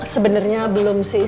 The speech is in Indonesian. sebenernya belum sih